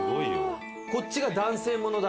こっちが男性物だ。